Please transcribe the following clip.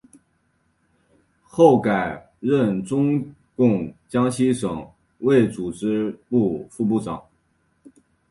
后改任中共江西省委组织部副部长。